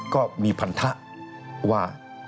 ก็มีพันธะว่า